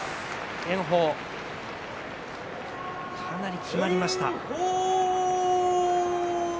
炎鵬、かなりきまりました。